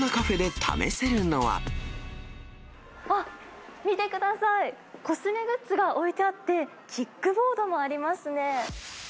あっ、見てください、コスメグッズが置いてあって、キックボードもありますね。